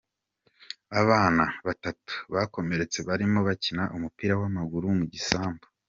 Abana tatatu bakomeretse barimo bakina umupira w’amaguru mu gisambu.